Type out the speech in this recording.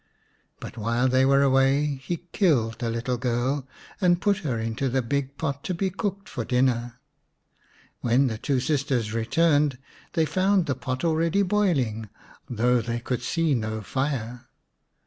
But while they were away he killed the little girl, and put her into the big pot to be cooked for dinner. When the two sisters returned they found the pot already boiling, though they could see no fire.